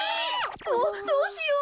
どうしよう。